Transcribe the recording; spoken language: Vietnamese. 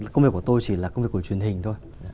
công việc của tôi chỉ là công việc của truyền hình thôi